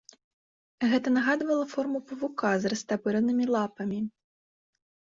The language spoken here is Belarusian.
Гэта нагадвала форму павука з растапыранымі лапамі.